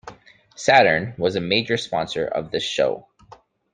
Saturn was a major sponsor of this show.